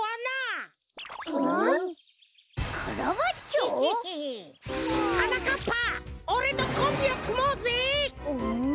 カラバッチョ？はなかっぱおれとコンビをくもうぜ。